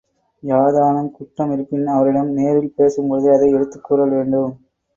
யாதானும் குற்றமிருப்பின் அவரிடம் நேரில் பேசும்பொழுது அதை எடுத்துக் கூறல் வேண்டும்.